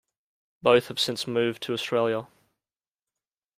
Both have since moved to Australia.